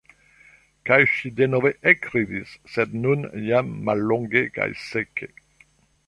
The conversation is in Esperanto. Kaj ŝi denove ekridis, sed nun jam mallonge kaj seke.